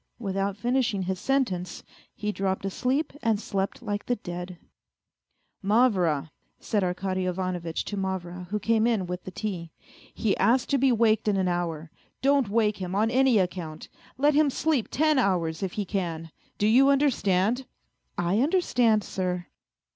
Without finishing his sentence, he dropped asleep and slept like the dead. A FAINT HEART 189 " Mavra," said Arkady Ivanovitch to Mavra, who came in with the tea, " he asked to be waked in an hour. Don't wake him on any account ! Let him sleep ten hours, if he can. Do you understand ?"" I understand, sir."